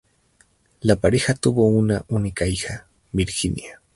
La pareja tuvo una única hija, Virginia.